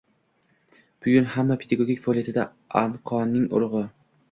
Bugun hamma pedagogik faoliyatda anqoning urug‘i.